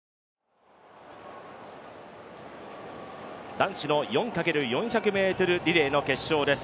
男子の４×４００ｍリレーの決勝です。